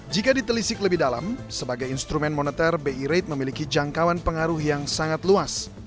jika ditelisik lebih dalam sebagai instrumen moneter bi rate memiliki jangkauan pengaruh yang sangat luas